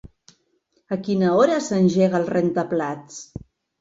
A quina hora s'engega el rentaplats?